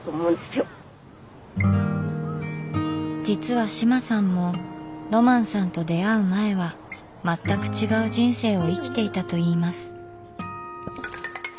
実は志麻さんもロマンさんと出会う前は全く違う人生を生きていたといいます。